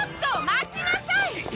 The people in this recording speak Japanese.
待ちなさい！